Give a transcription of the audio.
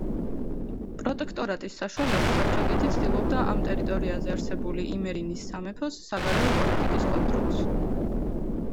პროტექტორატის საშუალებით საფრანგეთი ცდილობდა ამ ტერიტორიაზე არსებული იმერინის სამეფოს საგარეო პოლიტიკის კონტროლს.